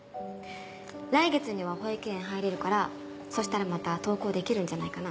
来月には保育園入れるからそしたらまた登校できるんじゃないかな。